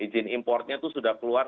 izin importnya itu sudah keluar